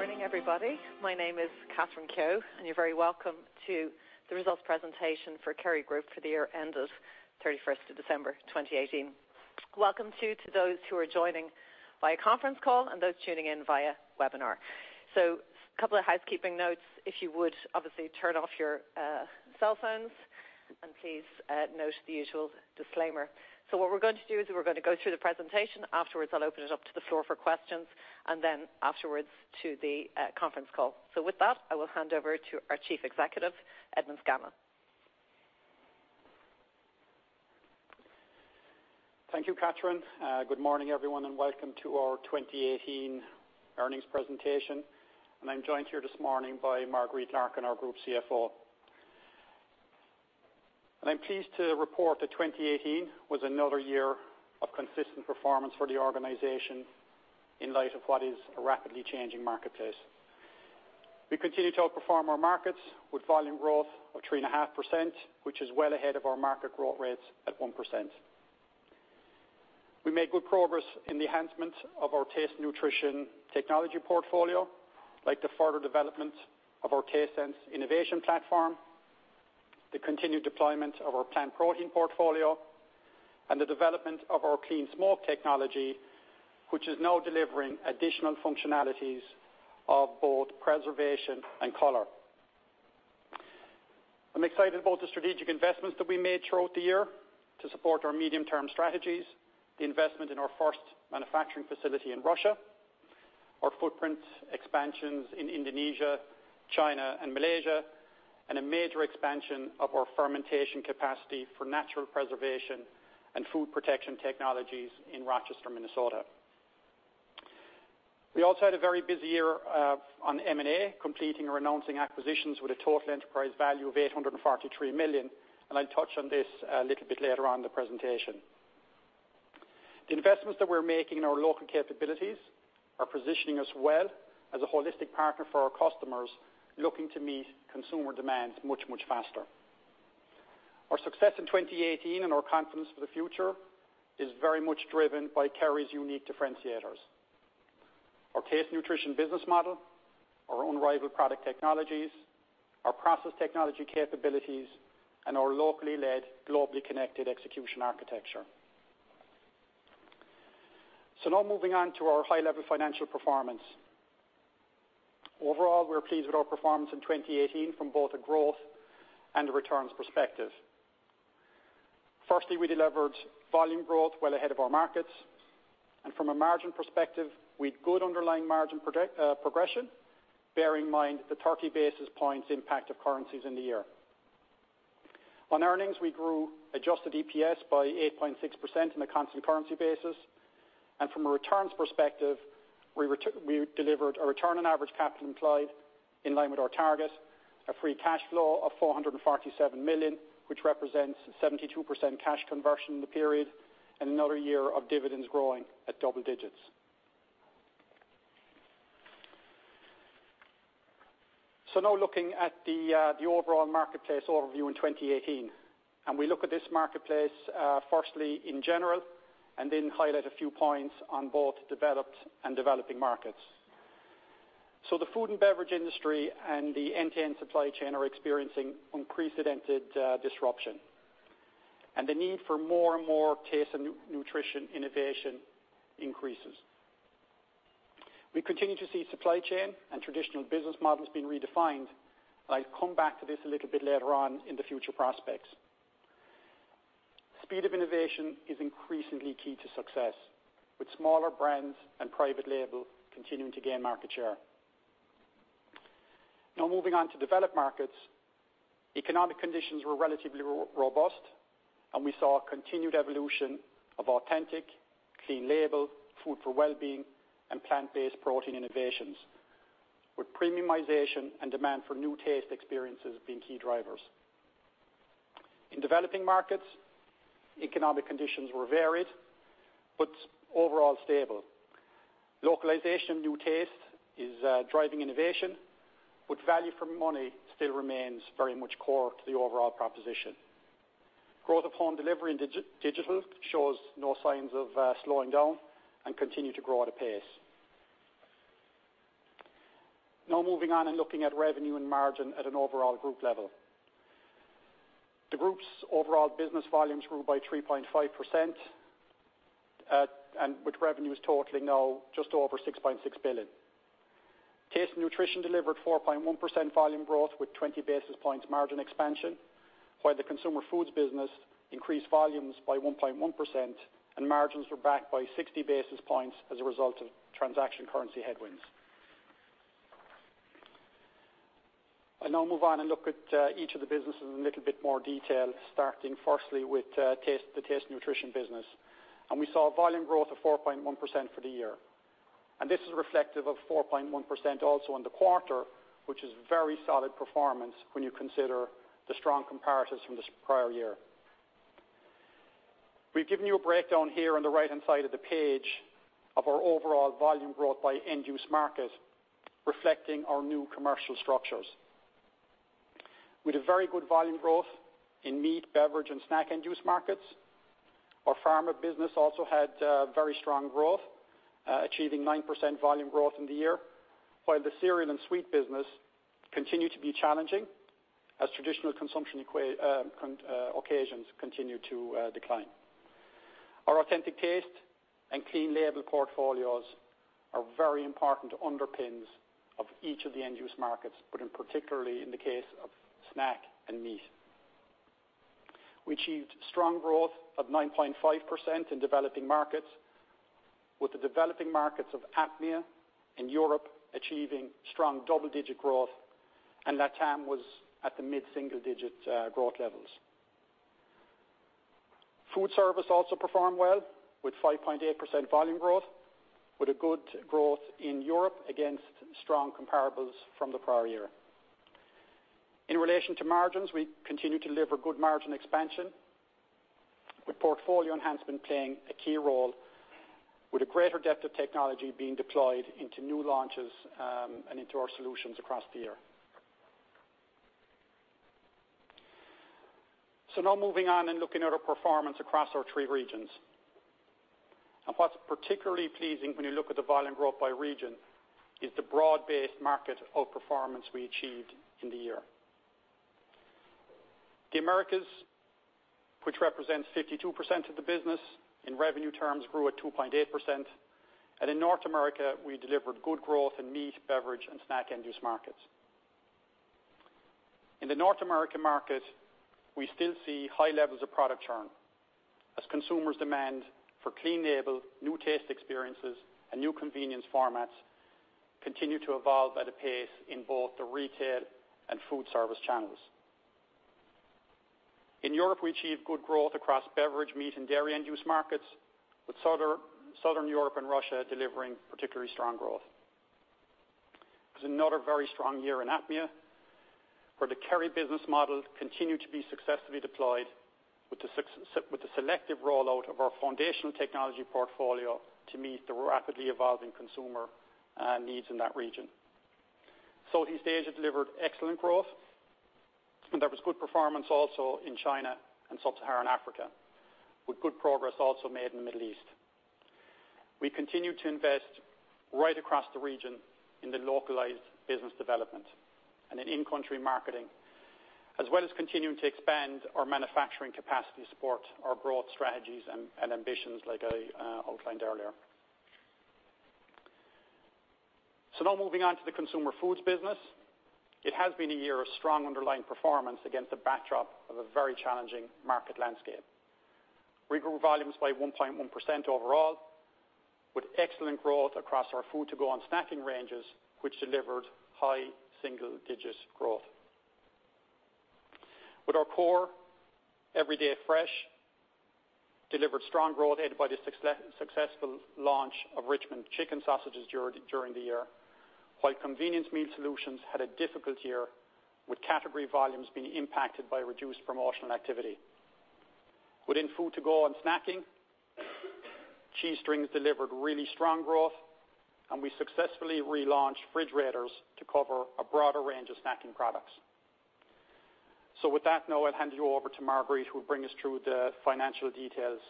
Good morning, everybody. My name is Catherine Keogh, and you're very welcome to the results presentation for Kerry Group for the year end of 31st of December 2018. Welcome too, to those who are joining via conference call and those tuning in via webinar. A couple of housekeeping notes. If you would, obviously, turn off your cell phones, and please note the usual disclaimer. What we're going to do is we're going to go through the presentation. Afterwards, I'll open it up to the floor for questions, and then afterwards to the conference call. With that, I will hand over to our Chief Executive, Edmond Scanlon. Thank you, Catherine. Good morning, everyone, welcome to our 2018 earnings presentation. I'm joined here this morning by Marguerite Larkin, our Group CFO. I'm pleased to report that 2018 was another year of consistent performance for the organization in light of what is a rapidly changing marketplace. We continue to outperform our markets with volume growth of 3.5%, which is well ahead of our market growth rates at 1%. We made good progress in the enhancement of our Taste & Nutrition technology portfolio, like the further development of our TasteSense innovation platform, the continued deployment of our plant protein portfolio, and the development of our Clean Smoke technology, which is now delivering additional functionalities of both preservation and color. I'm excited about the strategic investments that we made throughout the year to support our medium-term strategies, the investment in our first manufacturing facility in Russia, our footprint expansions in Indonesia, China, and Malaysia, and a major expansion of our fermentation capacity for natural preservation and food protection technologies in Rochester, Minnesota. We also had a very busy year on M&A, completing or announcing acquisitions with a total enterprise value of 843 million. I'll touch on this a little bit later on in the presentation. The investments that we're making in our local capabilities are positioning us well as a holistic partner for our customers, looking to meet consumer demands much, much faster. Our success in 2018 and our confidence for the future is very much driven by Kerry's unique differentiators. Our Taste & Nutrition business model, our unrivaled product technologies, our process technology capabilities, and our locally led, globally connected execution architecture. Now moving on to our high-level financial performance. Overall, we're pleased with our performance in 2018 from both a growth and a returns perspective. Firstly, we delivered volume growth well ahead of our markets. From a margin perspective, with good underlying margin progression, bear in mind the 30 basis points impact of currencies in the year. On earnings, we grew adjusted EPS by 8.6% in a constant currency basis. From a returns perspective, we delivered a return on average capital employed in line with our target, a free cash flow of 447 million, which represents 72% cash conversion in the period, another year of dividends growing at double digits. Looking at the overall marketplace overview in 2018, we look at this marketplace firstly in general and then highlight a few points on both developed and developing markets. The food and beverage industry and the end-to-end supply chain are experiencing unprecedented disruption, and the need for more and more Taste & Nutrition innovation increases. We continue to see supply chain and traditional business models being redefined. I'll come back to this a little bit later on in the future prospects. Speed of innovation is increasingly key to success, with smaller brands and private label continuing to gain market share. Moving on to developed markets, economic conditions were relatively robust, and we saw a continued evolution of authentic, clean label, food for well-being, and plant-based protein innovations, with premiumization and demand for new taste experiences being key drivers. In developing markets, economic conditions were varied, but overall stable. Localization of new taste is driving innovation, but value for money still remains very much core to the overall proposition. Growth of home delivery and digital shows no signs of slowing down and continue to grow at a pace. Moving on and looking at revenue and margin at an overall group level. The group's overall business volumes grew by 3.5%, and with revenues totaling now just over 6.6 billion. Taste & Nutrition delivered 4.1% volume growth with 20 basis points margin expansion, while the Consumer Foods business increased volumes by 1.1% and margins were backed by 60 basis points as a result of transaction currency headwinds. Move on and look at each of the businesses in a little bit more detail, starting firstly with the Taste & Nutrition business. We saw volume growth of 4.1% for the year. This is reflective of 4.1% also in the quarter, which is very solid performance when you consider the strong comparatives from this prior year. We've given you a breakdown here on the right-hand side of the page of our overall volume growth by end-use market, reflecting our new commercial structures. We had a very good volume growth in meat, beverage, and snack end-use markets. Our pharma business also had very strong growth, achieving 9% volume growth in the year, while the cereal and sweet business continued to be challenging as traditional consumption occasions continued to decline. Our authentic taste and clean label portfolios are very important underpinnings of each of the end-use markets, but particularly in the case of snack and meat. We achieved strong growth of 9.5% in developing markets, with the developing markets of APMEA and Europe achieving strong double-digit growth, and LATAM was at the mid-single-digit growth levels. Food service also performed well, with 5.8% volume growth, with a good growth in Europe against strong comparables from the prior year. In relation to margins, we continue to deliver good margin expansion, with portfolio enhancement playing a key role, with a greater depth of technology being deployed into new launches and into our solutions across the year. Moving on and looking at our performance across our three regions. What's particularly pleasing when you look at the volume growth by region is the broad-based market outperformance we achieved in the year. The Americas, which represents 52% of the business, in revenue terms grew at 2.8%. In North America, we delivered good growth in meat, beverage, and snack end-use markets. In the North American market, we still see high levels of product churn as consumers' demand for clean label, new taste experiences, and new convenience formats continue to evolve at a pace in both the retail and food service channels. In Europe, we achieved good growth across beverage, meat, and dairy end-use markets, with Southern Europe and Russia delivering particularly strong growth. It was another very strong year in APMEA, where the Kerry business model continued to be successfully deployed with the selective rollout of our foundational technology portfolio to meet the rapidly evolving consumer needs in that region. Southeast Asia delivered excellent growth. There was good performance also in China and Sub-Saharan Africa, with good progress also made in the Middle East. We continue to invest right across the region in the localized business development and in in-country marketing, as well as continuing to expand our manufacturing capacity to support our broad strategies and ambitions like I outlined earlier. Now moving on to the Consumer Foods business. It has been a year of strong underlying performance against the backdrop of a very challenging market landscape. We grew volumes by 1.1% overall, with excellent growth across our Food to Go and snacking ranges, which delivered high single-digit growth. With our core Everyday Fresh delivered strong growth, aided by the successful launch of Richmond chicken sausages during the year, while Convenience Meal Solutions had a difficult year, with category volumes being impacted by reduced promotional activity. Within Food to Go and snacking, Cheestrings delivered really strong growth. We successfully relaunched Fridge Raiders to cover a broader range of snacking products. With that, now I'll hand you over to Marguerite, who will bring us through the financial details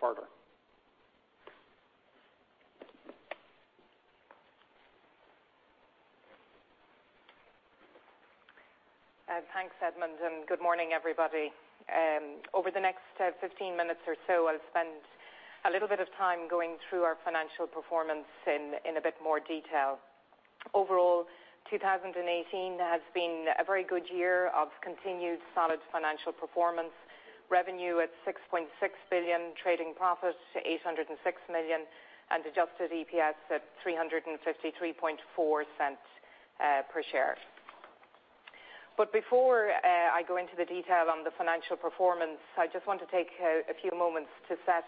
further. Thanks, Edmond. Good morning, everybody. Over the next 15 minutes or so, I'll spend a little bit of time going through our financial performance in a bit more detail. Overall, 2018 has been a very good year of continued solid financial performance. Revenue at 6.6 billion, trading profit 806 million, and adjusted EPS at 3.534 per share. Before I go into the detail on the financial performance, I just want to take a few moments to set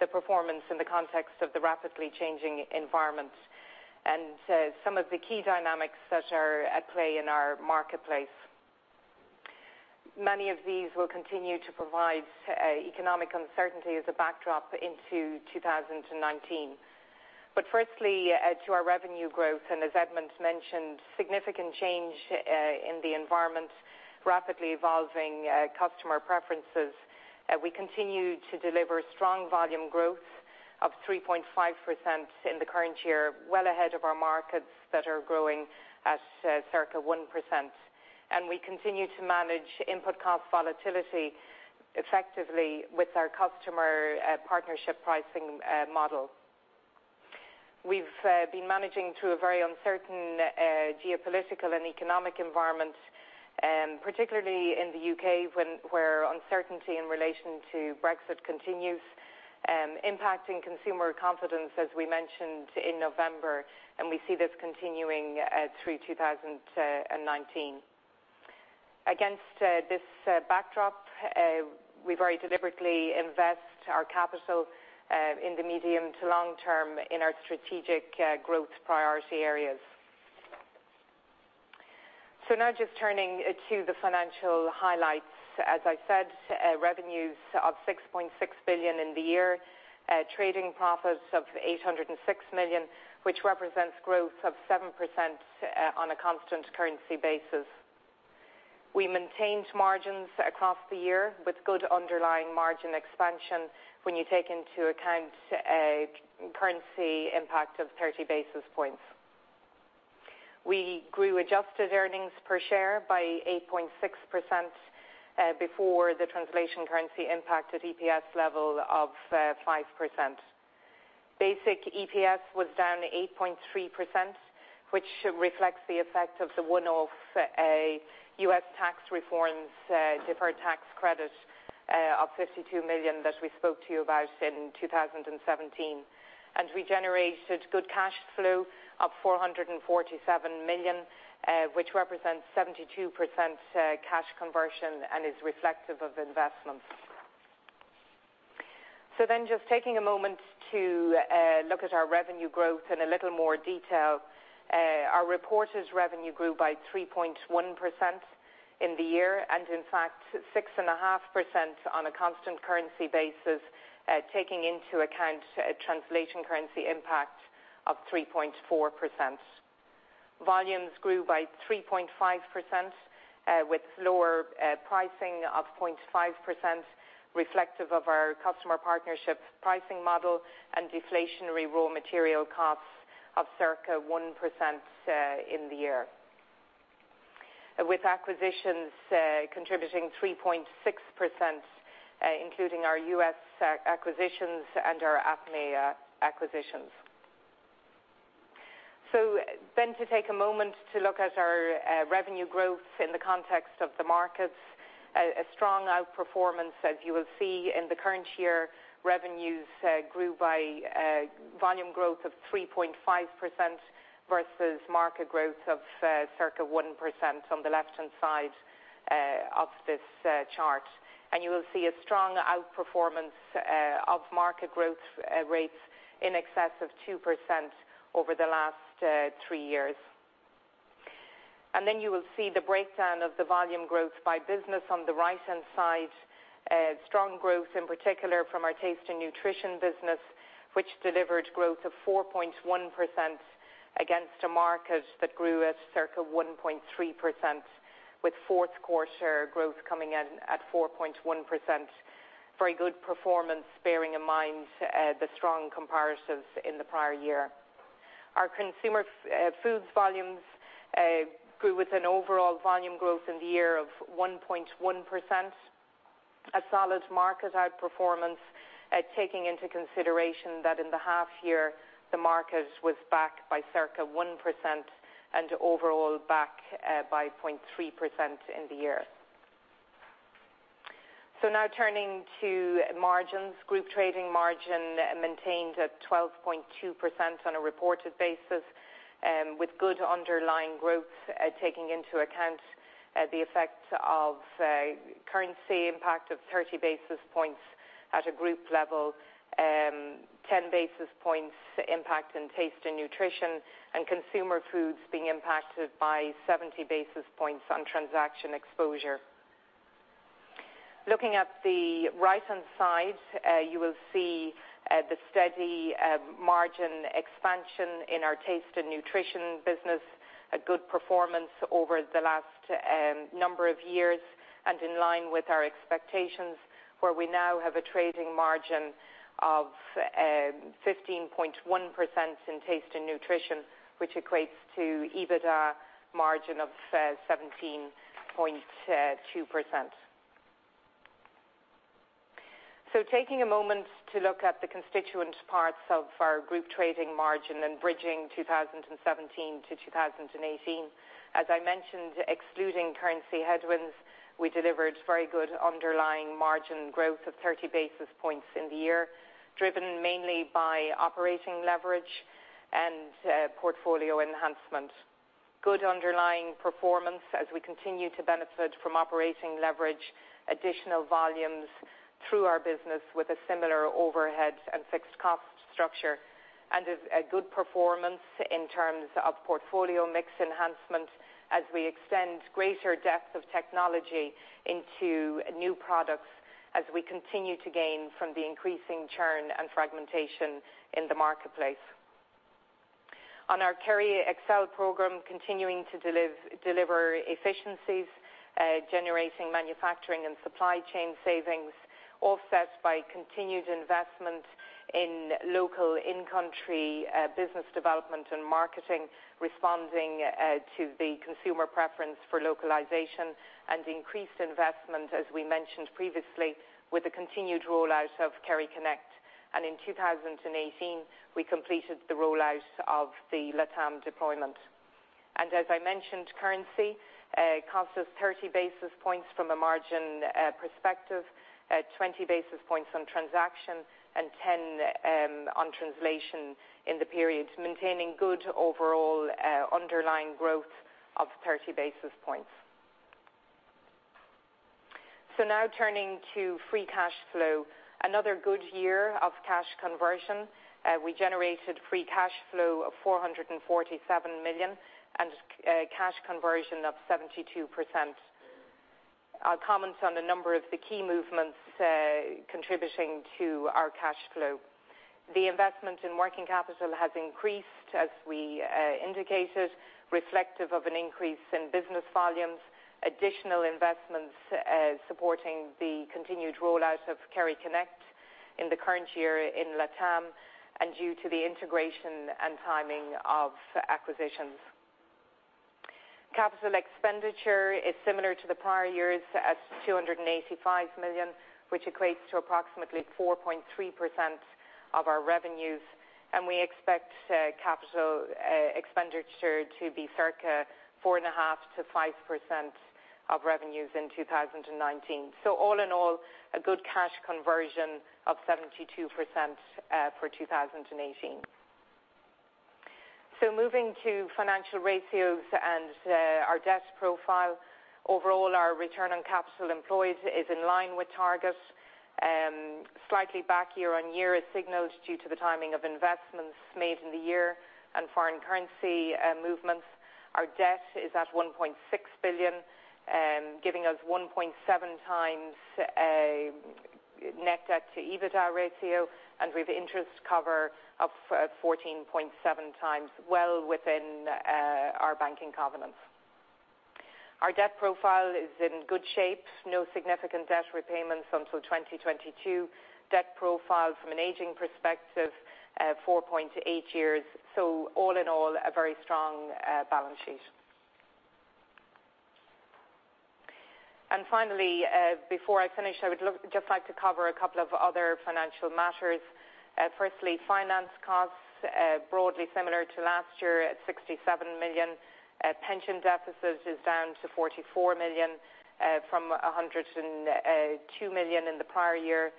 the performance in the context of the rapidly changing environment and some of the key dynamics that are at play in our marketplace. Many of these will continue to provide economic uncertainty as a backdrop into 2019. Firstly, to our revenue growth, as Edmond mentioned, significant change in the environment, rapidly evolving customer preferences. We continue to deliver strong volume growth of 3.5% in the current year, well ahead of our markets that are growing at circa 1%. We continue to manage input cost volatility effectively with our customer partnership pricing model. We have been managing through a very uncertain geopolitical and economic environment, particularly in the U.K., where uncertainty in relation to Brexit continues impacting consumer confidence, as we mentioned in November, and we see this continuing through 2019. Against this backdrop, we very deliberately invest our capital in the medium to long term in our strategic growth priority areas. Just turning to the financial highlights. As I said, revenues of 6.6 billion in the year, trading profits of 806 million, which represents growth of 7% on a constant currency basis. We maintained margins across the year with good underlying margin expansion when you take into account a currency impact of 30 basis points. We grew adjusted earnings per share by 8.6% before the translation currency impact at EPS level of 5%. Basic EPS was down 8.3%, which reflects the effect of the one-off U.S. tax reforms deferred tax credit of 52 million that we spoke to you about in 2017. We generated good cash flow of 447 million, which represents 72% cash conversion and is reflective of investments. Just taking a moment to look at our revenue growth in a little more detail. Our reported revenue grew by 3.1% in the year. In fact, 6.5% on a constant currency basis, taking into account a translation currency impact of 3.4%. Volumes grew by 3.5% with lower pricing of 0.5%, reflective of our customer partnership pricing model and deflationary raw material costs of circa 1% in the year. With acquisitions contributing 3.6%, including our U.S. acquisitions and our APMEA acquisitions. To take a moment to look at our revenue growth in the context of the markets. A strong outperformance, as you will see in the current year, revenues grew by volume growth of 3.5% versus market growth of circa 1% on the left-hand side of this chart. You will see a strong outperformance of market growth rates in excess of 2% over the last three years. You will see the breakdown of the volume growth by business on the right-hand side. Strong growth, in particular from our Taste & Nutrition business, which delivered growth of 4.1% against a market that grew at circa 1.3%, with fourth quarter growth coming in at 4.1%. Very good performance, bearing in mind the strong comparatives in the prior year. Our Consumer Foods volumes grew with an overall volume growth in the year of 1.1%. A solid market outperformance, taking into consideration that in the half year, the market was back by circa 1% and overall back by 0.3% in the year. Turning to margins. Group trading margin maintained at 12.2% on a reported basis, with good underlying growth, taking into account the effects of currency impact of 30 basis points at a group level, 10 basis points impact in Taste & Nutrition, and Consumer Foods being impacted by 70 basis points on transaction exposure. Looking at the right-hand side, you will see the steady margin expansion in our Taste & Nutrition business, a good performance over the last number of years and in line with our expectations, where we now have a trading margin of 15.1% in Taste & Nutrition, which equates to EBITDA margin of 17.2%. Taking a moment to look at the constituent parts of our group trading margin and bridging 2017 to 2018. As I mentioned, excluding currency headwinds, we delivered very good underlying margin growth of 30 basis points in the year, driven mainly by operating leverage and portfolio enhancement. Good underlying performance as we continue to benefit from operating leverage additional volumes through our business with a similar overhead and fixed cost structure. A good performance in terms of portfolio mix enhancement as we extend greater depth of technology into new products as we continue to gain from the increasing churn and fragmentation in the marketplace. On our Kerry Excel Program, continuing to deliver efficiencies, generating manufacturing and supply chain savings offset by continued investment in local in-country business development and marketing, responding to the consumer preference for localization and increased investment, as we mentioned previously, with the continued rollout of Kerry Connect. In 2018, we completed the rollout of the LATAM deployment. As I mentioned, currency cost us 30 basis points from a margin perspective, 20 basis points on transaction, and 10 on translation in the period, maintaining good overall underlying growth of 30 basis points. Now turning to free cash flow. Another good year of cash conversion. We generated free cash flow of 447 million and cash conversion of 72%. I'll comment on a number of the key movements contributing to our cash flow. The investment in working capital has increased, as we indicated, reflective of an increase in business volumes, additional investments supporting the continued rollout of Kerry Connect in the current year in LATAM, and due to the integration and timing of acquisitions. Capital expenditure is similar to the prior years at 285 million, which equates to approximately 4.3% of our revenues. We expect capital expenditure to be circa 4.5%-5% of revenues in 2019. All in all, a good cash conversion of 72% for 2018. Moving to financial ratios and our debt profile. Overall, our return on capital employed is in line with targets, slightly back year-on-year as signaled due to the timing of investments made in the year and foreign currency movements. Our debt is at 1.6 billion, giving us 1.7 times net debt to EBITDA ratio, and we've interest cover of 14.7 times, well within our banking covenants. Our debt profile is in good shape. No significant debt repayments until 2022. Debt profile from an aging perspective, 4.8 years. All in all, a very strong balance sheet. Finally, before I finish, I would just like to cover a couple of other financial matters. Firstly, finance costs, broadly similar to last year at 67 million. Pension deficit is down to 44 million from 102 million in the prior year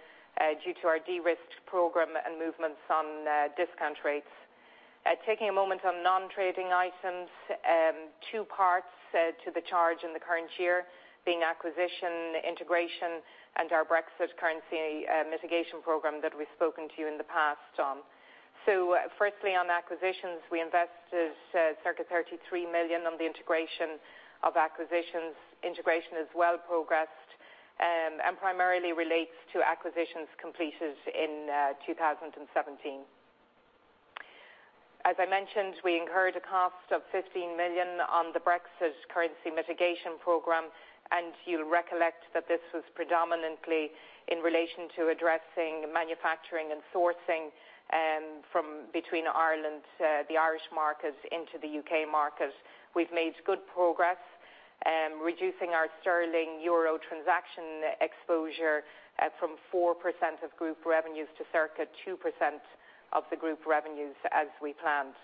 due to our de-risked program and movements on discount rates. Taking a moment on non-trading items, two parts to the charge in the current year being acquisition, integration, and our Brexit currency mitigation program that we've spoken to you in the past on. Firstly on acquisitions, we invested circa 33 million on the integration of acquisitions. Integration is well progressed and primarily relates to acquisitions completed in 2017. As I mentioned, we incurred a cost of 15 million on the Brexit currency mitigation program, and you'll recollect that this was predominantly in relation to addressing manufacturing and sourcing between Ireland, the Irish markets into the U.K. markets. We've made good progress reducing our sterling-euro transaction exposure from 4% of group revenues to circa 2% of the group revenues as we planned.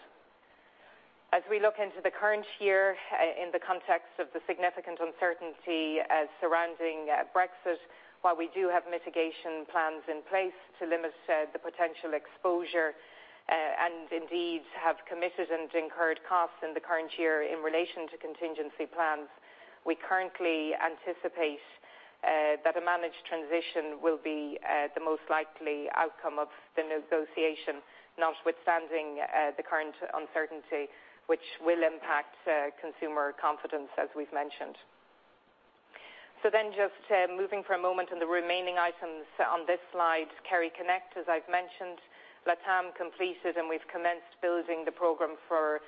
As we look into the current year in the context of the significant uncertainty surrounding Brexit, while we do have mitigation plans in place to limit the potential exposure, and indeed have committed and incurred costs in the current year in relation to contingency plans, we currently anticipate that a managed transition will be the most likely outcome of the negotiation, notwithstanding the current uncertainty which will impact consumer confidence, as we've mentioned. Just moving for a moment on the remaining items on this slide, Kerry Connect, as I've mentioned, LATAM completed, and we've commenced building the program for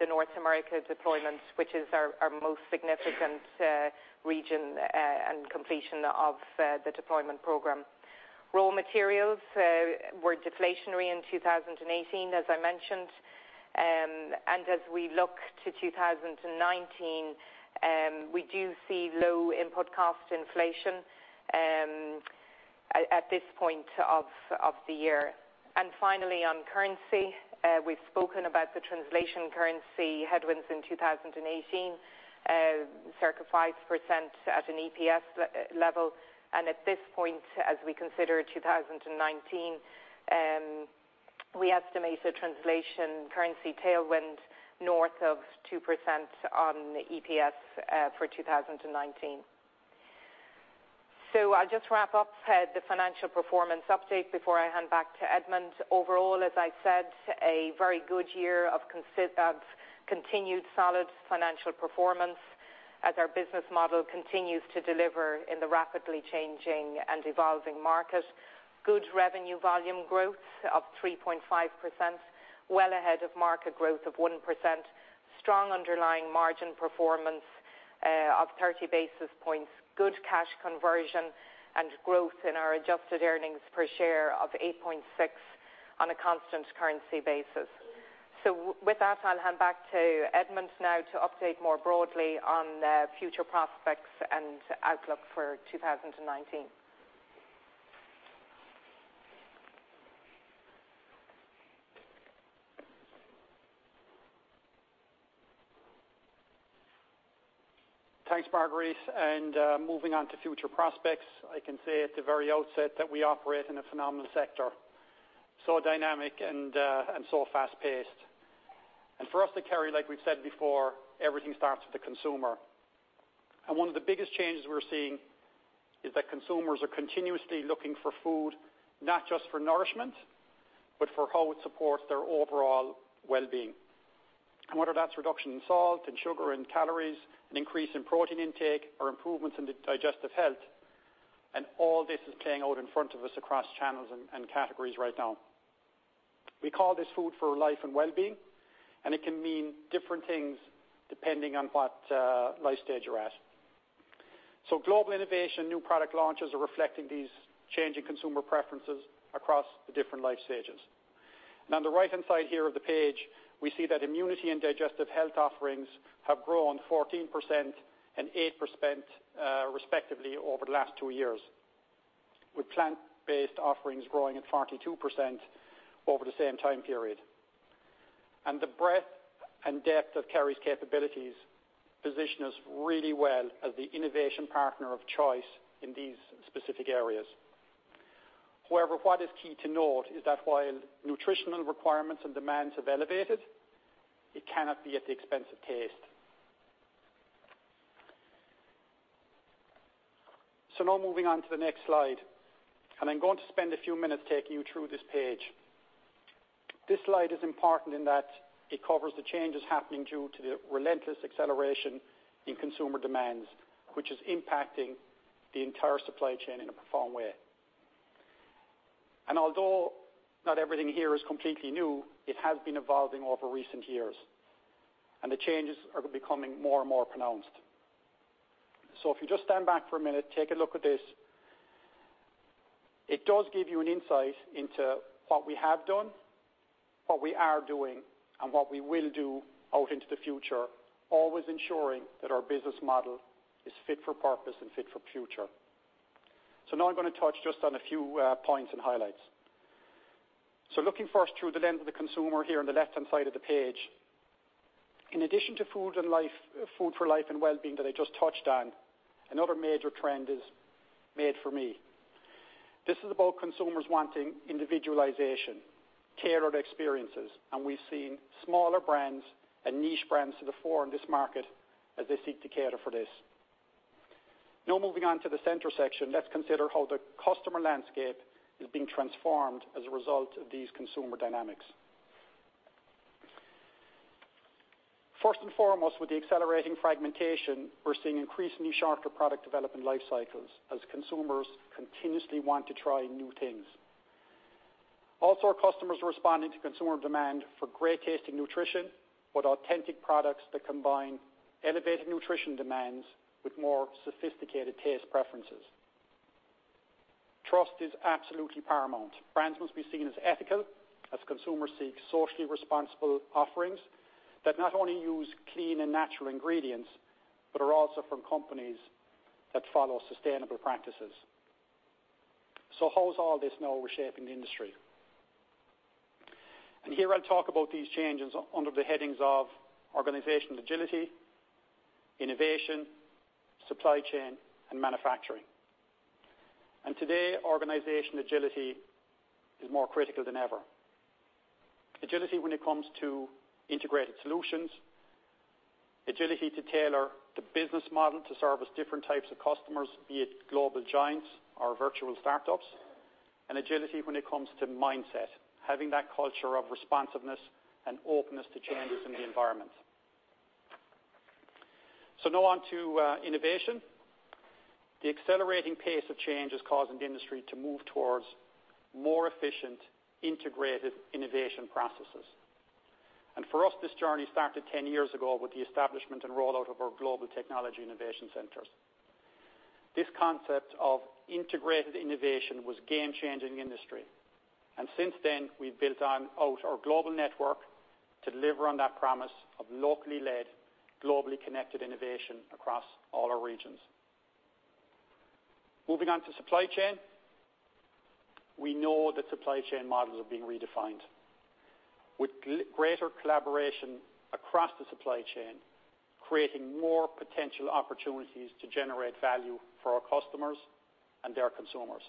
the North America deployment, which is our most significant region and completion of the deployment program. Raw materials were deflationary in 2018, as I mentioned. As we look to 2019, we do see low input cost inflation at this point of the year. Finally on currency, we've spoken about the translation currency headwinds in 2018, circa 5% at an EPS level. At this point, as we consider 2019, we estimate a translation currency tailwind north of 2% on EPS for 2019. I'll just wrap up the financial performance update before I hand back to Edmond. Overall, as I said, a very good year of continued solid financial performance as our business model continues to deliver in the rapidly changing and evolving market. Good revenue volume growth of 3.5%, well ahead of market growth of 1%. Strong underlying margin performance of 30 basis points, good cash conversion, and growth in our adjusted earnings per share of 8.6% on a constant currency basis. With that, I'll hand back to Edmond now to update more broadly on future prospects and outlook for 2019. Thanks, Marguerite. Moving on to future prospects, I can say at the very outset that we operate in a phenomenal sector, so dynamic and so fast-paced. For us at Kerry, like we've said before, everything starts with the consumer. One of the biggest changes we're seeing is that consumers are continuously looking for food, not just for nourishment, but for how it supports their overall well-being. Whether that's reduction in salt and sugar and calories, an increase in protein intake, or improvements in the digestive health. All this is playing out in front of us across channels and categories right now. We call this food for life and well-being, and it can mean different things depending on what life stage you're at. Global innovation, new product launches are reflecting these changing consumer preferences across the different life stages. On the right-hand side here of the page, we see that immunity and digestive health offerings have grown 14% and 8%, respectively, over the last two years, with plant-based offerings growing at 42% over the same time period. The breadth and depth of Kerry's capabilities position us really well as the innovation partner of choice in these specific areas. However, what is key to note is that while nutritional requirements and demands have elevated, it cannot be at the expense of taste. Now moving on to the next slide, and I'm going to spend a few minutes taking you through this page. This slide is important in that it covers the changes happening due to the relentless acceleration in consumer demands, which is impacting the entire supply chain in a profound way. Although not everything here is completely new, it has been evolving over recent years, and the changes are becoming more and more pronounced. If you just stand back for a minute, take a look at this. It does give you an insight into what we have done, what we are doing, and what we will do out into the future, always ensuring that our business model is fit for purpose and fit for future. Now I'm going to touch just on a few points and highlights. Looking first through the lens of the consumer here on the left-hand side of the page. In addition to food for life and well-being that I just touched on, another major trend is made for me. This is about consumers wanting individualization, tailored experiences, and we're seeing smaller brands and niche brands to the fore in this market as they seek to cater for this. Now moving on to the center section, let's consider how the customer landscape is being transformed as a result of these consumer dynamics. First and foremost, with the accelerating fragmentation, we're seeing increasingly shorter product development life cycles as consumers continuously want to try new things. Also, our customers are responding to consumer demand for great-tasting nutrition, but authentic products that combine elevated nutrition demands with more sophisticated taste preferences. Trust is absolutely paramount. Brands must be seen as ethical, as consumers seek socially responsible offerings that not only use clean and natural ingredients, but are also from companies that follow sustainable practices. How's all this now reshaping the industry? Here I'll talk about these changes under the headings of organization agility, innovation, supply chain, and manufacturing. Today, organization agility is more critical than ever. Agility when it comes to integrated solutions, agility to tailor the business model to service different types of customers, be it global giants or virtual startups, and agility when it comes to mindset, having that culture of responsiveness and openness to changes in the environment. Now on to innovation. The accelerating pace of change is causing the industry to move towards more efficient integrated innovation processes. For us, this journey started 10 years ago with the establishment and rollout of our global technology innovation centers. This concept of integrated innovation was game changing industry. Since then, we've built out our global network to deliver on that promise of locally led, globally connected innovation across all our regions. Moving on to supply chain. We know that supply chain models are being redefined. With greater collaboration across the supply chain, creating more potential opportunities to generate value for our customers and their consumers.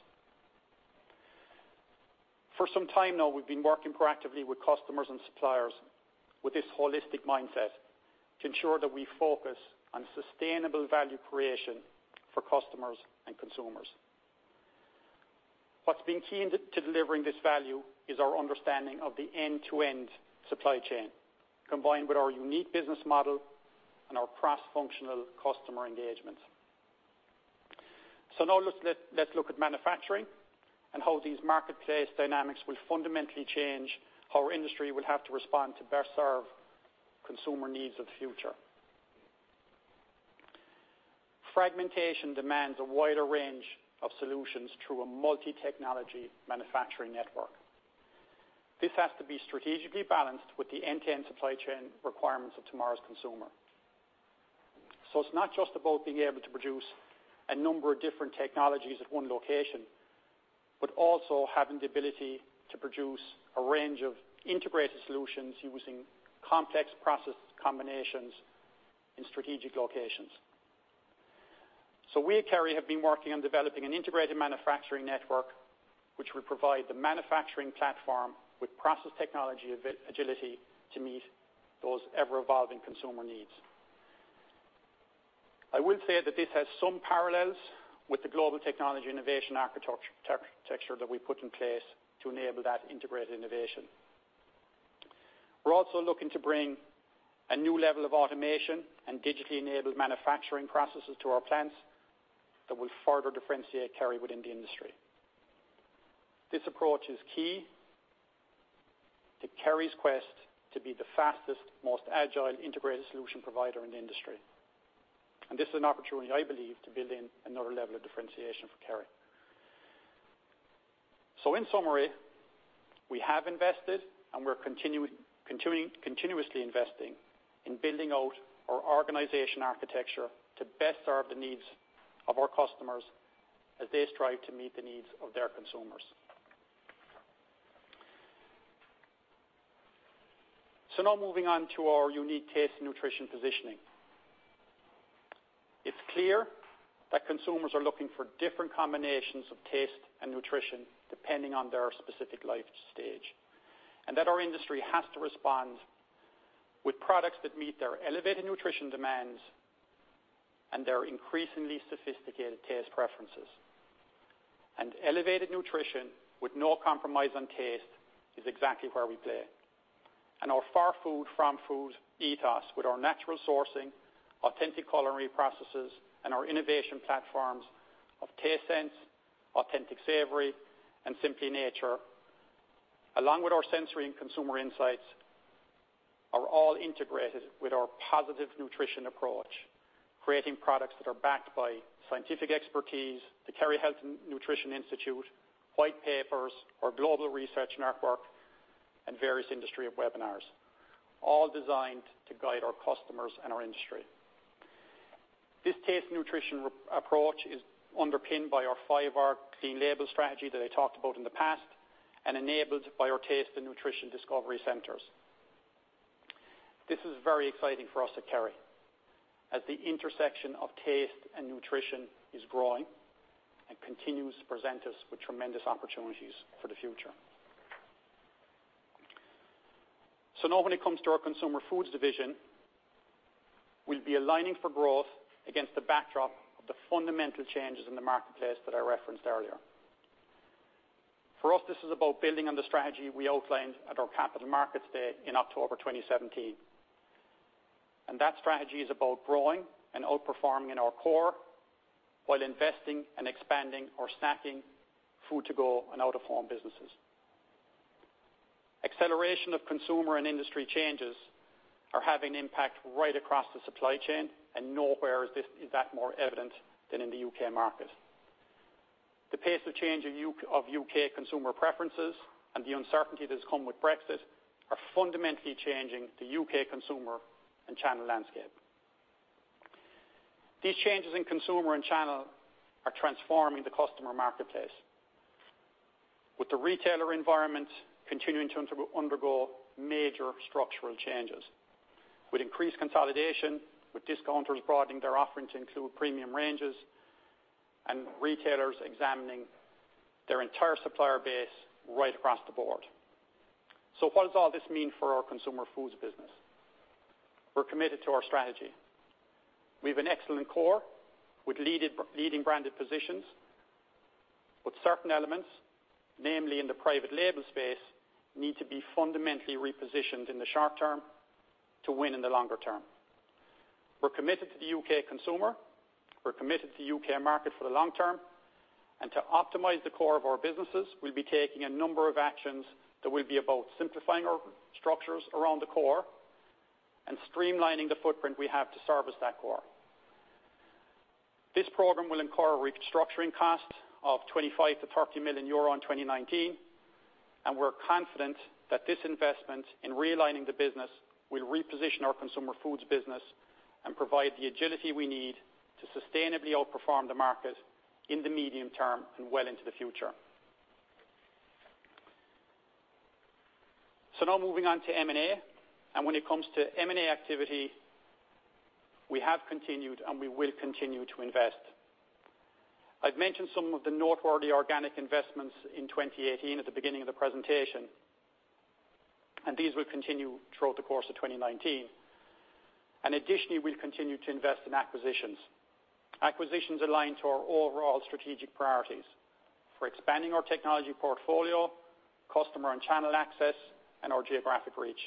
For some time now, we've been working proactively with customers and suppliers with this holistic mindset to ensure that we focus on sustainable value creation for customers and consumers. What's been key to delivering this value is our understanding of the end-to-end supply chain, combined with our unique business model and our cross-functional customer engagement. Let's look at manufacturing and how these marketplace dynamics will fundamentally change how our industry will have to respond to best serve consumer needs of the future. Fragmentation demands a wider range of solutions through a multi-technology manufacturing network. This has to be strategically balanced with the end-to-end supply chain requirements of tomorrow's consumer. It's not just about being able to produce a number of different technologies at one location, but also having the ability to produce a range of integrated solutions using complex process combinations in strategic locations. We at Kerry have been working on developing an integrated manufacturing network which will provide the manufacturing platform with process technology agility to meet those ever-evolving consumer needs. I will say that this has some parallels with the global technology innovation architecture that we put in place to enable that integrated innovation. We're also looking to bring a new level of automation and digitally enabled manufacturing processes to our plants that will further differentiate Kerry within the industry. This approach is key to Kerry's quest to be the fastest, most agile integrated solution provider in the industry, and this is an opportunity, I believe, to build in another level of differentiation for Kerry. In summary, we have invested and we're continuously investing in building out our organization architecture to best serve the needs of our customers as they strive to meet the needs of their consumers. Moving on to our unique Taste & Nutrition positioning. It's clear that consumers are looking for different combinations of Taste & Nutrition depending on their specific life stage, and that our industry has to respond with products that meet their elevated nutrition demands and their increasingly sophisticated taste preferences. Elevated nutrition with no compromise on taste is exactly where we play. Our Far Food, Farm Food ethos with our natural sourcing, authentic culinary processes, and our innovation platforms of TasteSense, Authentic Savoury, and Simply Nature, along with our sensory and consumer insights, are all integrated with our positive nutrition approach, creating products that are backed by scientific expertise, the Kerry Health and Nutrition Institute, white papers, our global research network, and various industry webinars, all designed to guide our customers and our industry. This Taste & Nutrition approach is underpinned by our Five Arc clean label strategy that I talked about in the past and enabled by our Taste & Nutrition discovery centers. This is very exciting for us at Kerry, as the intersection of Taste & Nutrition is growing and continues to present us with tremendous opportunities for the future. When it comes to our Consumer Foods division, we'll be aligning for growth against the backdrop of the fundamental changes in the marketplace that I referenced earlier. For us, this is about building on the strategy we outlined at our capital markets day in October 2017. That strategy is about growing and outperforming in our core while investing and expanding our snacking, Food to Go, and out-of-home businesses. Acceleration of consumer and industry changes are having an impact right across the supply chain. Nowhere is that more evident than in the U.K. market. The pace of change of U.K. consumer preferences and the uncertainty that's come with Brexit are fundamentally changing the U.K. consumer and channel landscape. These changes in consumer and channel are transforming the customer marketplace. With the retailer environment continuing to undergo major structural changes, with increased consolidation, with discounters broadening their offerings to include premium ranges, retailers examining their entire supplier base right across the board. What does all this mean for our Consumer Foods business? We're committed to our strategy. We have an excellent core with leading branded positions. Certain elements, namely in the private label space, need to be fundamentally repositioned in the short term to win in the longer term. We're committed to the U.K. consumer, we're committed to U.K. market for the long term. To optimize the core of our businesses, we'll be taking a number of actions that will be about simplifying our structures around the core and streamlining the footprint we have to service that core. This program will incur restructuring costs of 25 million-30 million euro in 2019. We're confident that this investment in realigning the business will reposition our Consumer Foods business and provide the agility we need to sustainably outperform the market in the medium term and well into the future. Moving on to M&A, when it comes to M&A activity, we have continued, we will continue to invest. I've mentioned some of the noteworthy organic investments in 2018 at the beginning of the presentation. These will continue throughout the course of 2019. Additionally, we'll continue to invest in acquisitions. Acquisitions aligned to our overall strategic priorities for expanding our technology portfolio, customer and channel access, and our geographic reach.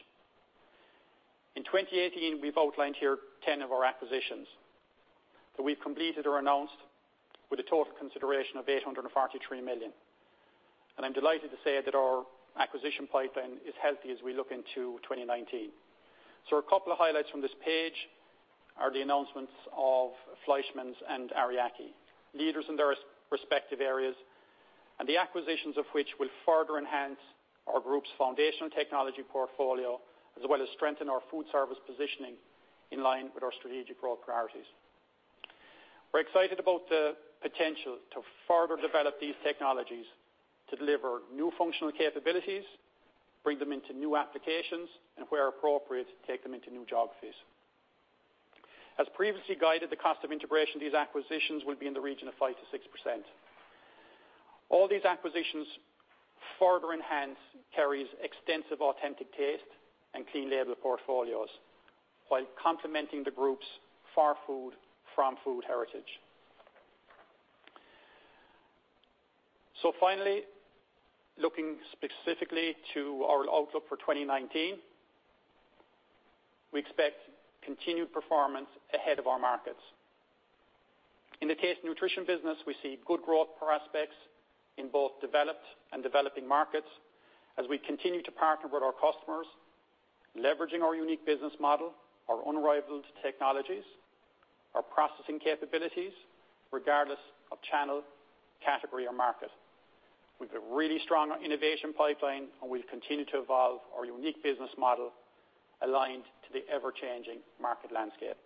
In 2018, we've outlined here 10 of our acquisitions that we've completed or announced with a total consideration of 843 million. I'm delighted to say that our acquisition pipeline is healthy as we look into 2019. A couple of highlights from this page are the announcements of Fleischmann's and Ariake, leaders in their respective areas. The acquisitions of which will further enhance our group's foundational technology portfolio as well as strengthen our food service positioning in line with our strategic growth priorities. We're excited about the potential to further develop these technologies to deliver new functional capabilities, bring them into new applications, and where appropriate, take them into new geographies. As previously guided, the cost of integration of these acquisitions will be in the region of 5%-6%. All these acquisitions further enhance Kerry's extensive authentic taste and clean label portfolios, while complementing the group's far food, farm food heritage. Finally, looking specifically to our outlook for 2019, we expect continued performance ahead of our markets. In the Taste & Nutrition business, we see good growth prospects in both developed and developing markets as we continue to partner with our customers, leveraging our unique business model, our unrivaled technologies, our processing capabilities, regardless of channel, category, or market. We've got really strong innovation pipeline, and we'll continue to evolve our unique business model aligned to the ever-changing market landscape.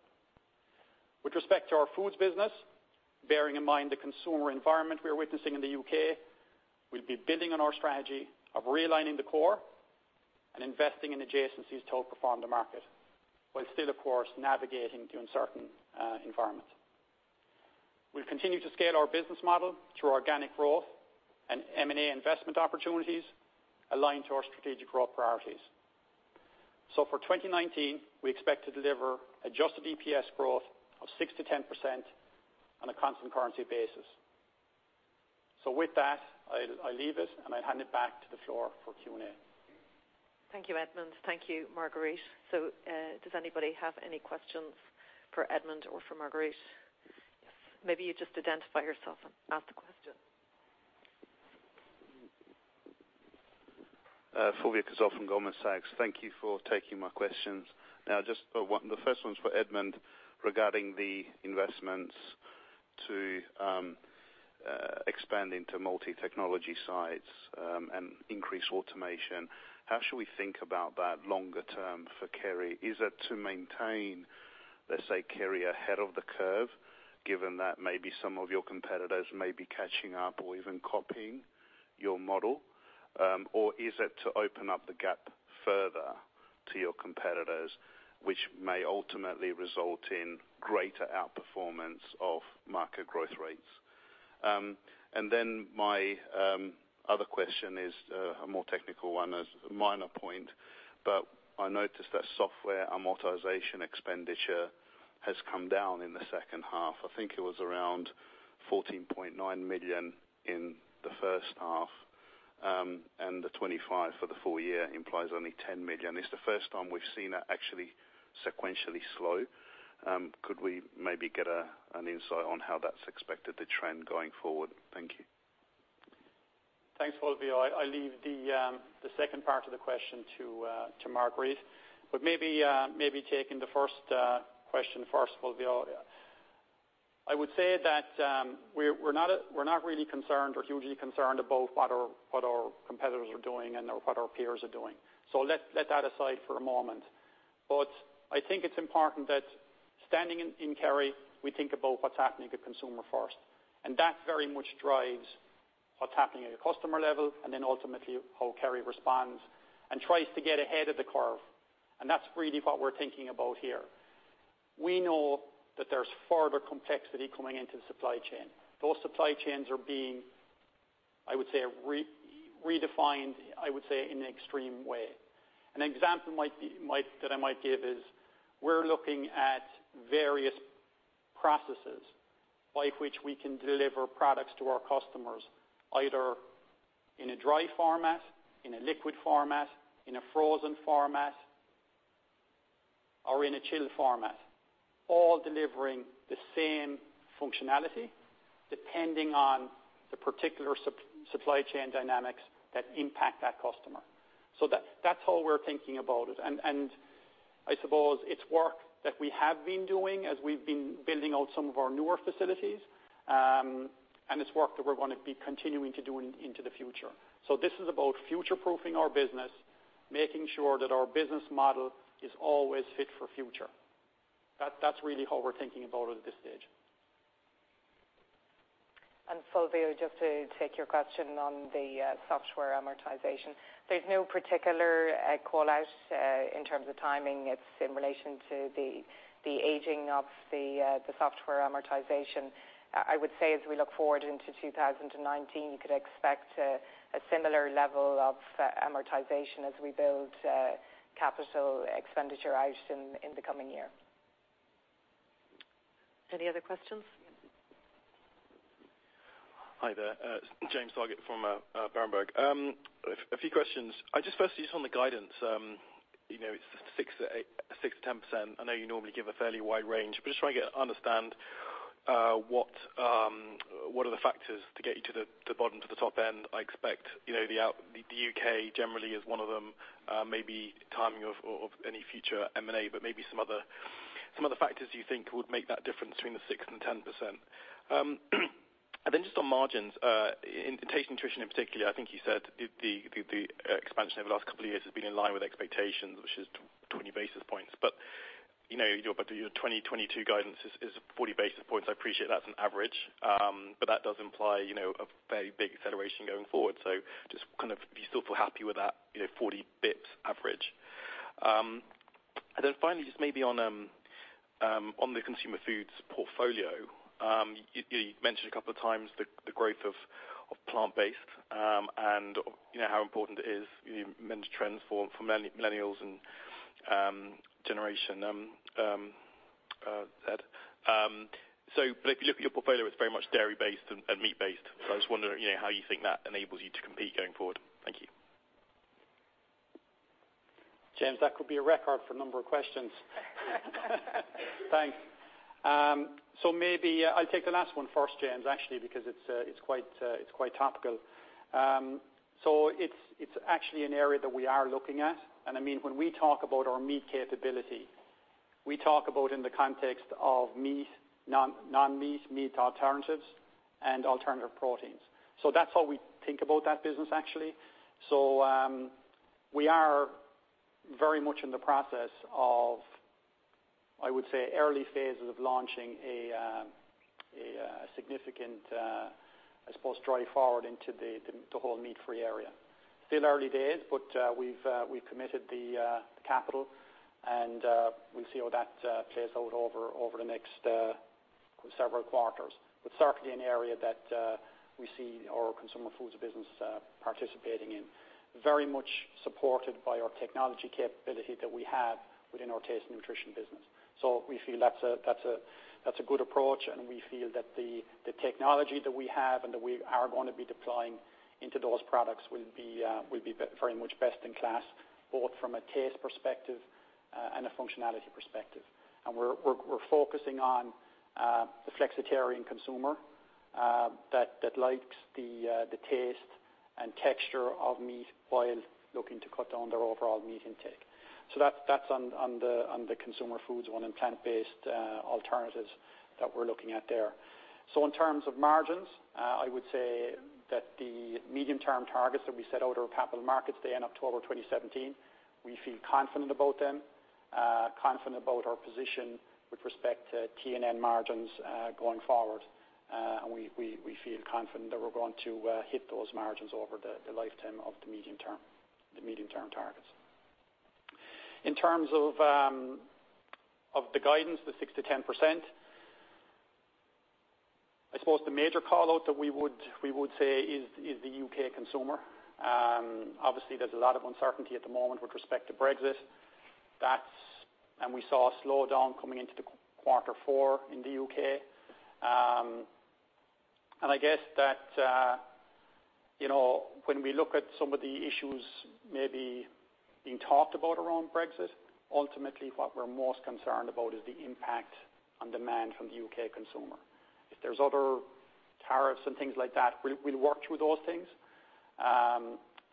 With respect to our foods business, bearing in mind the consumer environment we're witnessing in the U.K., we'll be building on our strategy of realigning the core and investing in adjacencies to outperform the market, while still of course navigating the uncertain environment. We'll continue to scale our business model through organic growth and M&A investment opportunities aligned to our strategic growth priorities. For 2019, we expect to deliver adjusted EPS growth of 6%-10% on a constant currency basis. With that, I leave it, and I hand it back to the floor for Q&A. Thank you, Edmond. Thank you, Marguerite. Does anybody have any questions for Edmond or for Marguerite? Maybe you just identify yourself and ask the question. Fulvio Cazzol from Goldman Sachs. Thank you for taking my questions. The first one's for Edmond regarding the investments to expand into multi-technology sites and increase automation. How should we think about that longer term for Kerry? Is it to maintain, let's say, Kerry ahead of the curve, given that maybe some of your competitors may be catching up or even copying your model? Or is it to open up the gap further to your competitors, which may ultimately result in greater outperformance of market growth rates? My other question is a more technical one, a minor point, but I noticed that software amortization expenditure has come down in the second half. I think it was around 14.9 million in the first half, and the 25 for the full year implies only 10 million. It's the first time we've seen it actually sequentially slow. Could we maybe get an insight on how that's expected to trend going forward? Thank you. Thanks, Fulvio. I leave the second part of the question to Marguerite, but maybe taking the first question first, Fulvio. I would say that we're not really concerned or hugely concerned about what our competitors are doing and what our peers are doing. Let that aside for a moment. I think it's important that standing in Kerry, we think about what's happening to consumer first. That very much drives what's happening at a customer level, and then ultimately how Kerry responds and tries to get ahead of the curve. That's really what we're thinking about here. We know that there's further complexity coming into the supply chain. Those supply chains are being, I would say, redefined, I would say, in an extreme way. An example that I might give is we're looking at various processes by which we can deliver products to our customers, either in a dry format, in a liquid format, in a frozen format, or in a chilled format, all delivering the same functionality, depending on the particular supply chain dynamics that impact that customer. That's all we're thinking about it. I suppose it's work that we have been doing as we've been building out some of our newer facilities, and it's work that we're going to be continuing to do into the future. This is about future-proofing our business, making sure that our business model is always fit for future. That's really how we're thinking about it at this stage. Fulvio, just to take your question on the software amortization. There's no particular call-out in terms of timing. It's in relation to the aging of the software amortization. I would say as we look forward into 2019, you could expect a similar level of amortization as we build capital expenditure out in the coming year. Any other questions? Hi there. James Targett from Berenberg. A few questions. Firstly, on the guidance, it's 6%-10%. I know you normally give a fairly wide range, but trying to understand what are the factors to get you to the bottom to the top end. I expect the U.K. generally is one of them, maybe timing of any future M&A, but maybe some other factors you think would make that difference between the 6% and 10%. Then on margins, in Taste & Nutrition in particular, I think you said the expansion over the last couple of years has been in line with expectations, which is 20 basis points. Your 2022 guidance, 40 basis points. I appreciate that's an average, but that does imply a very big acceleration going forward. Do you still feel happy with that 40 bips average? Finally, maybe on the Consumer Foods portfolio. You mentioned a couple of times the growth of plant-based and how important it is, you mentioned trends for millennials and Generation Z. If you look at your portfolio, it's very much dairy based and meat based. I was wondering how you think that enables you to compete going forward. Thank you. James, that could be a record for number of questions. Thanks. Maybe I'll take the last one first, James, actually, because it's quite topical. It's actually an area that we are looking at, and when we talk about our meat capability, we talk about in the context of non-meat meat alternatives and alternative proteins. That's how we think about that business, actually. We are very much in the process of, I would say, early phases of launching a significant, I suppose, drive forward into the whole meat-free area. Still early days, but we've committed the capital and we'll see how that plays out over the next several quarters. Certainly an area that we see our Consumer Foods business participating in. Very much supported by our technology capability that we have within our Taste & Nutrition business. We feel that's a good approach, and we feel that the technology that we have and that we are going to be deploying into those products will be very much best in class, both from a taste perspective and a functionality perspective. We're focusing on the flexitarian consumer that likes the taste and texture of meat while looking to cut down their overall meat intake. That's on the Consumer Foods one and plant-based alternatives that we're looking at there. In terms of margins, I would say that the medium-term targets that we set out at our capital markets day in October 2017, we feel confident about them, confident about our position with respect to T&N margins going forward, and we feel confident that we're going to hit those margins over the lifetime of the medium term targets. In terms of the guidance, the 6%-10%, I suppose the major call-out that we would say is the U.K. consumer. Obviously, there's a lot of uncertainty at the moment with respect to Brexit, we saw a slowdown coming into quarter four in the U.K. I guess that when we look at some of the issues maybe being talked about around Brexit, ultimately what we're most concerned about is the impact on demand from the U.K. consumer. If there's other tariffs and things like that, we'll work through those things.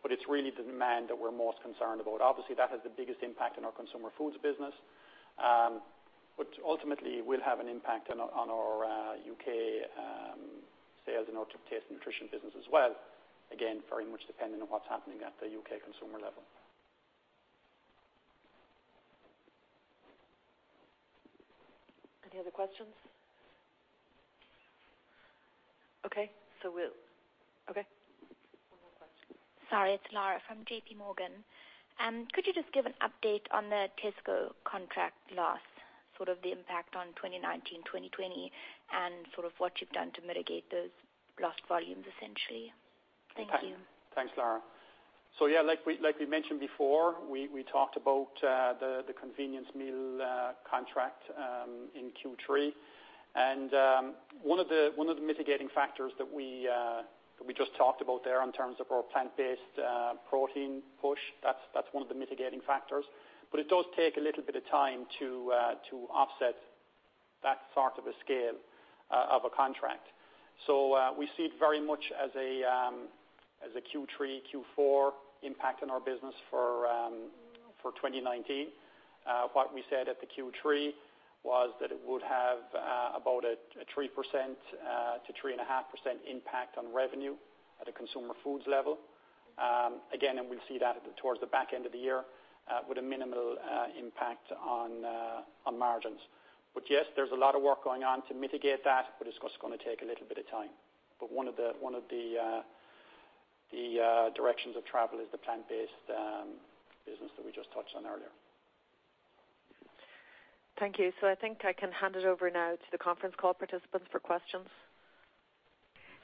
It's really the demand that we're most concerned about. Obviously, that has the biggest impact on our Consumer Foods business. Ultimately, it will have an impact on our U.K. sales and our Taste & Nutrition business as well. Again, very much dependent on what's happening at the U.K. consumer level. Any other questions? Okay. Okay. One more question. Sorry, it's Lara from JPMorgan. Could you just give an update on the Tesco contract loss, sort of the impact on 2019, 2020, and sort of what you've done to mitigate those lost volumes, essentially? Thank you. Thanks, Lara. Yeah, like we mentioned before, we talked about the convenience meal contract in Q3. One of the mitigating factors that we just talked about there in terms of our plant-based protein push, that's one of the mitigating factors. It does take a little bit of time to offset that sort of a scale of a contract. We see it very much as a Q3, Q4 impact on our business for 2019. What we said at the Q3 was that it would have about a 3%-3.5% impact on revenue at a Consumer Foods level. Again, we'll see that towards the back end of the year with a minimal impact on margins. Yes, there's a lot of work going on to mitigate that, but it's going to take a little bit of time. One of the directions of travel is the plant-based business that we just touched on earlier. Thank you. I think I can hand it over now to the conference call participants for questions.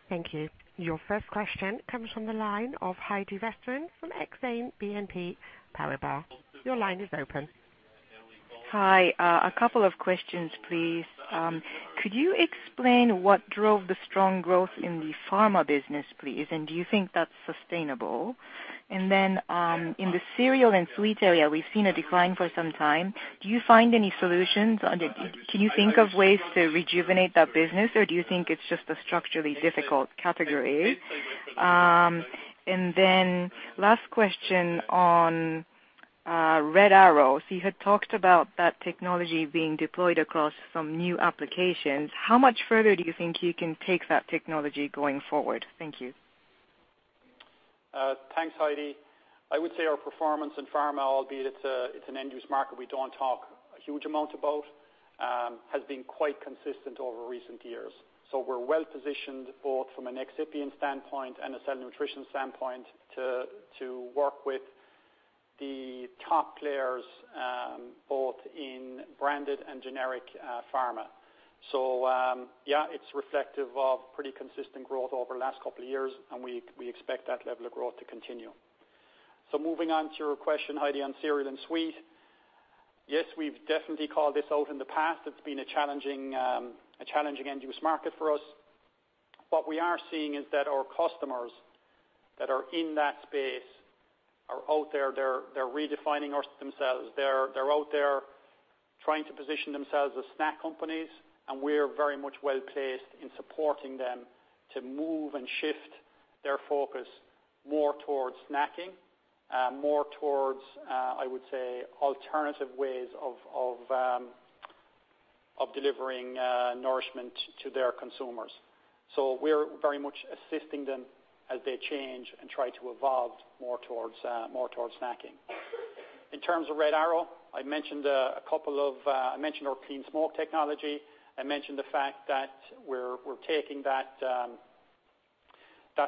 Thank you. Your first question comes from the line of Heidi Vesterinen from Exane BNP Paribas. Your line is open. Hi. A couple of questions, please. Could you explain what drove the strong growth in the pharma business, please? Do you think that's sustainable? In the cereal and sweets area, we've seen a decline for some time. Do you find any solutions? Can you think of ways to rejuvenate that business, or do you think it's just a structurally difficult category? Last question on Red Arrow. You had talked about that technology being deployed across some new applications. How much further do you think you can take that technology going forward? Thank you. Thanks, Heidi. I would say our performance in pharma, albeit it's an end-use market we don't talk a huge amount about, has been quite consistent over recent years. We're well positioned both from an excipient standpoint and a Cell Nutrition standpoint to work with the top players both in branded and generic pharma. Yeah, it's reflective of pretty consistent growth over the last couple of years, and we expect that level of growth to continue. Moving on to your question, Heidi, on cereal and sweet. Yes, we've definitely called this out in the past. It's been a challenging end-use market for us. What we are seeing is that our customers that are in that space are out there. They're redefining themselves. They're out there trying to position themselves as snack companies, we're very much well placed in supporting them to move and shift their focus more towards snacking, more towards, I would say, alternative ways of delivering nourishment to their consumers. We're very much assisting them as they change and try to evolve more towards snacking. In terms of Red Arrow, I mentioned our Clean Smoke technology. I mentioned the fact that we're taking that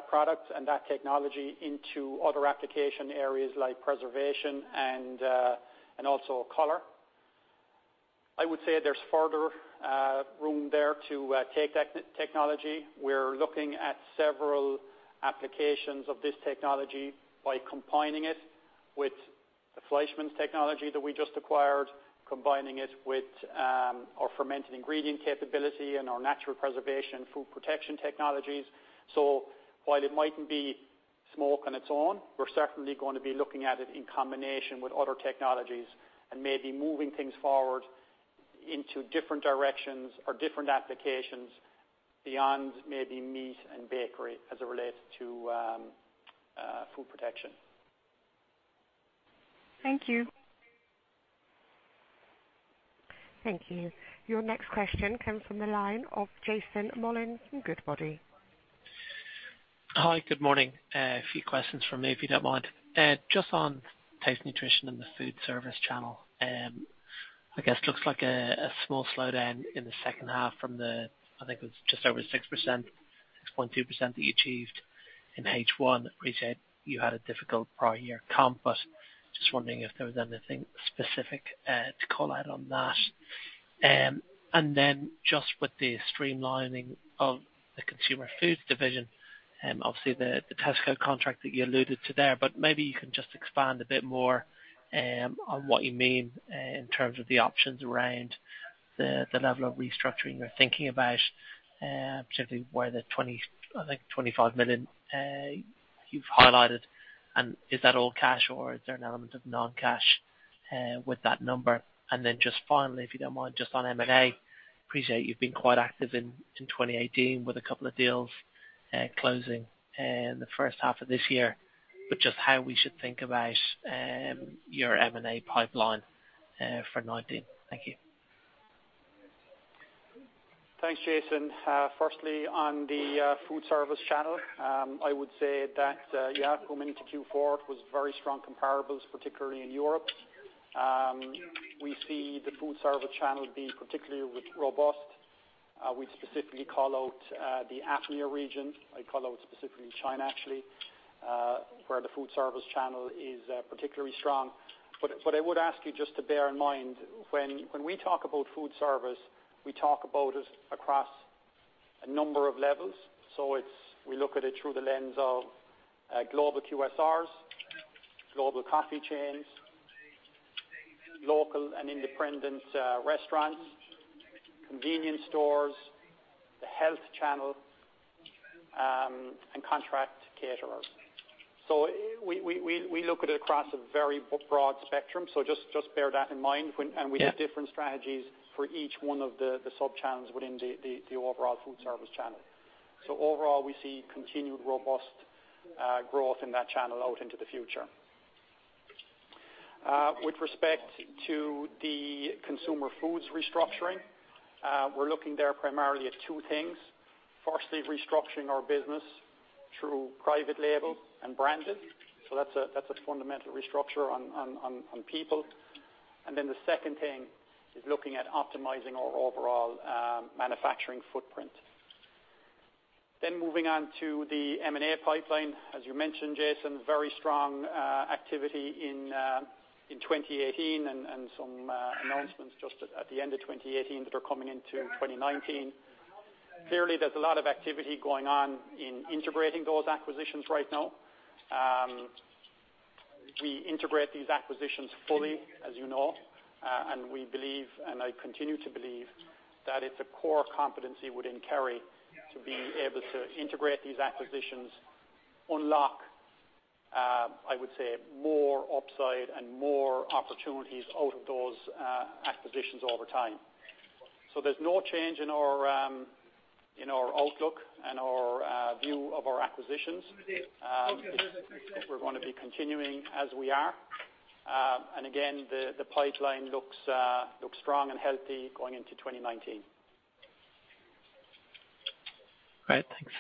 product and that technology into other application areas like preservation and also color. I would say there's further room there to take that technology. We're looking at several applications of this technology by combining it with the Fleischmann's technology that we just acquired, combining it with our fermented ingredient capability and our natural preservation food protection technologies. While it mightn't be smoke on its own, we're certainly going to be looking at it in combination with other technologies and maybe moving things forward into different directions or different applications beyond maybe meat and bakery as it relates to food protection. Thank you. Thank you. Your next question comes from the line of Jason Molins from Goodbody. Hi, good morning. A few questions from me, if you don't mind. Just on Taste Nutrition and the food service channel, I guess it looks like a small slowdown in the second half from the, I think it was just over 6%, 6.2% that you achieved in H1. Appreciate you had a difficult prior year comp, but just wondering if there was anything specific to call out on that. Then just with the streamlining of the Consumer Foods division, obviously the Tesco contract that you alluded to there, but maybe you can just expand a bit more on what you mean in terms of the options around the level of restructuring you're thinking about, particularly where the, I think, 25 million you've highlighted. Is that all cash or is there an element of non-cash with that number? Just finally, if you don't mind, just on M&A, appreciate you've been quite active in 2018 with a couple of deals closing in the first half of this year, just how we should think about your M&A pipeline for 2019. Thank you. Thanks, Jason. Firstly, on the food service channel, I would say that, coming into Q4, it was very strong comparables, particularly in Europe. We see the food service channel being particularly robust. We'd specifically call out the APMEA region. I'd call out specifically China, actually, where the food service channel is particularly strong. I would ask you just to bear in mind, when we talk about food service, we talk about it across a number of levels. We look at it through the lens of global QSRs, global coffee chains, local and independent restaurants, convenience stores, the health channel, and contract caterers. We look at it across a very broad spectrum. Just bear that in mind. Yeah. We have different strategies for each one of the sub channels within the overall food service channel. Overall, we see continued robust growth in that channel out into the future. With respect to the Consumer Foods restructuring, we're looking there primarily at two things. Firstly, restructuring our business through private label and branded. That's a fundamental restructure on people. The second thing is looking at optimizing our overall manufacturing footprint. Moving on to the M&A pipeline, as you mentioned, Jason, very strong activity in 2018 and some announcements just at the end of 2018 that are coming into 2019. Clearly, there's a lot of activity going on in integrating those acquisitions right now. We integrate these acquisitions fully, as you know, and I continue to believe, that it's a core competency within Kerry to be able to integrate these acquisitions, unlock I would say more upside and more opportunities out of those acquisitions over time. There's no change in our outlook and our view of our acquisitions. We're going to be continuing as we are. Again, the pipeline looks strong and healthy going into 2019. Great. Thanks.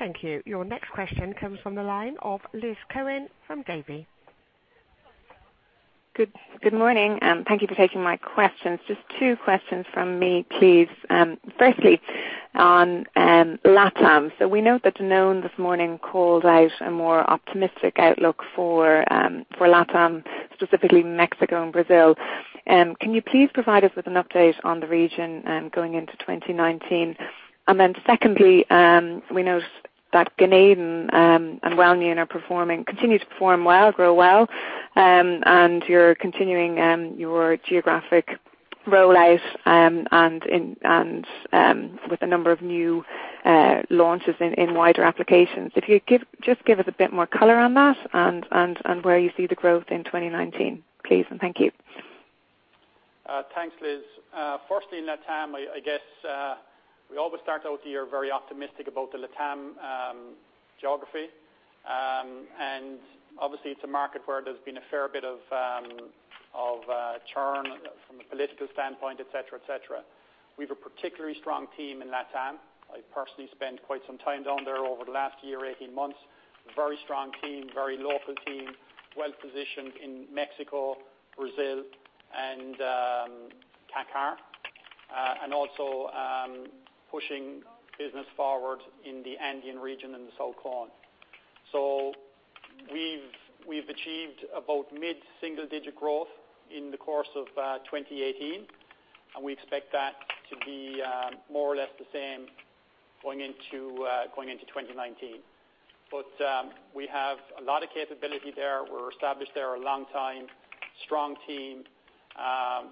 Thank you. Your next question comes from the line of Liz Cohen from Gávea. Good morning. Thank you for taking my questions. Just two questions from me, please. Firstly, on LATAM. We note that Danone this morning called out a more optimistic outlook for LATAM, specifically Mexico and Brazil. Can you please provide us with an update on the region going into 2019? Secondly, we note that Ganeden and Wellmune continue to perform well, grow well, and you are continuing your geographic roll-out with a number of new launches in wider applications. If you could just give us a bit more color on that and where you see the growth in 2019, please and thank you. Thanks, Liz. Firstly, in LATAM, I guess we always start out the year very optimistic about the LATAM geography. Obviously it is a market where there has been a fair bit of churn from a political standpoint, et cetera. We have a particularly strong team in LATAM. I personally spent quite some time down there over the last year, 18 months. A very strong team, very local team. Well-positioned in Mexico, Brazil, and [Cancar]. Also pushing business forward in the Andean region and the Southern Cone. We have achieved about mid-single digit growth in the course of 2018, and we expect that to be more or less the same going into 2019. We have a lot of capability there. We are established there a long time. Strong team.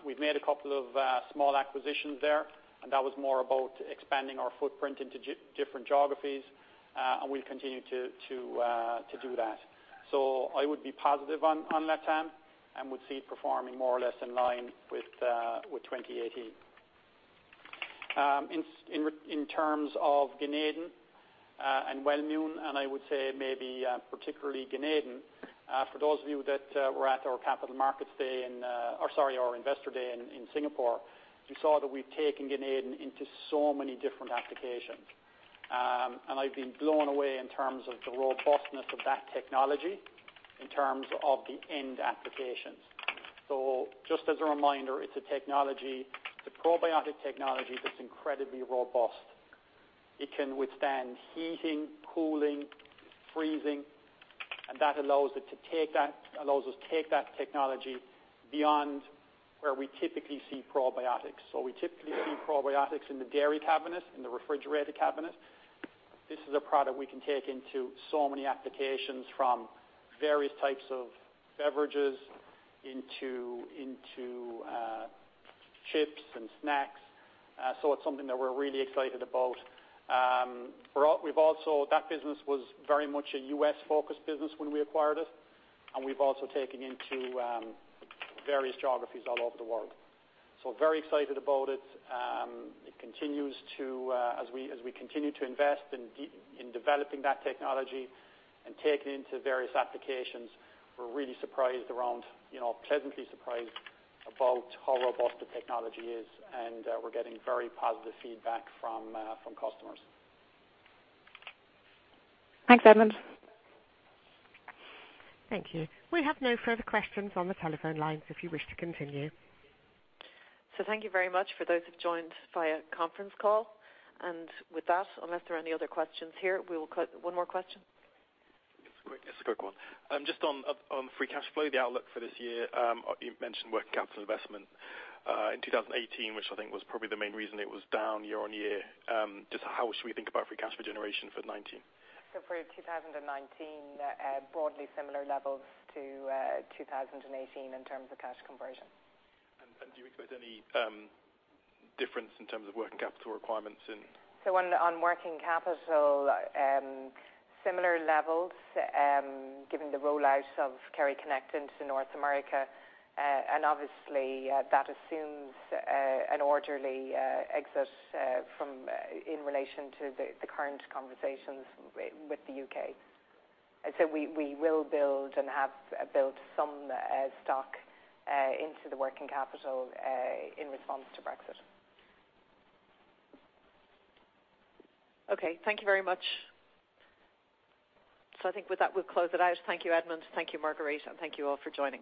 We have made a couple of small acquisitions there, and that was more about expanding our footprint into different geographies. We'll continue to do that. I would be positive on LATAM and would see it performing more or less in line with 2018. In terms of Ganeden and Wellmune, and I would say maybe particularly Ganeden, for those of you that were at our Investor Day in Singapore, you saw that we've taken Ganeden into so many different applications. I've been blown away in terms of the robustness of that technology in terms of the end applications. Just as a reminder, it's a probiotic technology that's incredibly robust. It can withstand heating, cooling, freezing, and that allows us to take that technology beyond where we typically see probiotics. We typically see probiotics in the dairy cabinet, in the refrigerated cabinet. This is a product we can take into so many applications, from various types of beverages into chips and snacks. It's something that we're really excited about. That business was very much a U.S.-focused business when we acquired it, we've also taken into various geographies all over the world. Very excited about it. As we continue to invest in developing that technology and take it into various applications, we're really pleasantly surprised about how robust the technology is, we're getting very positive feedback from customers. Thanks, Edmond. Thank you. We have no further questions on the telephone lines if you wish to continue. Thank you very much for those who've joined via conference call. With that, unless there are any other questions here, One more question. It's a quick one. Just on free cash flow, the outlook for this year. You've mentioned working capital investment in 2018, which I think was probably the main reason it was down year-over-year. Just how should we think about free cash flow generation for 2019? For 2019, broadly similar levels to 2018 in terms of cash conversion. Do you expect any difference in terms of working capital requirements? On working capital, similar levels given the rollout of Kerry Connect into North America. Obviously that assumes an orderly exit in relation to the current conversations with the U.K. We will build and have built some stock into the working capital in response to Brexit. Okay. Thank you very much. I think with that, we'll close it out. Thank you, Edmond, thank you, Marguerite, and thank you all for joining.